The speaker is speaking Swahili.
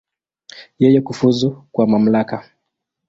Yeye kufuzu kwa mamlaka.